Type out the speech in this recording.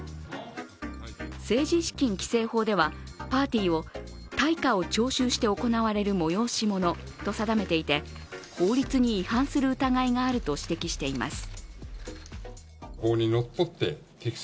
政治資金規正法ではパーティーを対価を徴収して行われる催し物と定めていて、法律に違反する疑いがあると指摘しています。